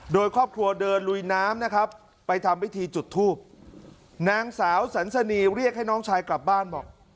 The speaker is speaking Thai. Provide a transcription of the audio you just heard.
โดยครอบครัวเดินลุยน้ำนะครับไปทำพิธีจุดทูบนางสาวสันสนีเรียกให้น้องชายกลับบ้านบอก